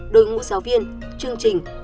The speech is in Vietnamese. đội ngũ giáo viên chương trình